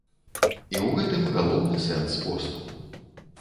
І ў гэтым галоўны сэнс посту.